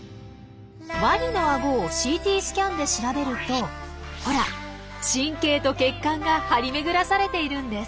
ワニのアゴをＣＴスキャンで調べるとほら神経と血管が張り巡らされているんです。